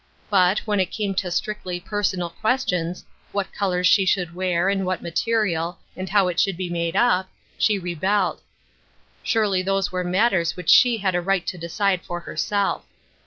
But, when it came to strictly personal questions — what colors she should wear, and what material, and how it should be made up — she rebelled. Surely those were matters which she had a right to decide for herself.